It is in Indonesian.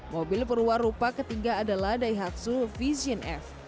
mobil perwarupa ketiga adalah daihatsu vision f